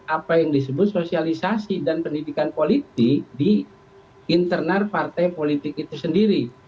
apa yang disebut sosialisasi dan pendidikan politik di internal partai politik itu sendiri